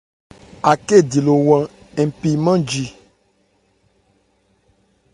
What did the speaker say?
Akhɛ́ di lo hwân mpì nmánji.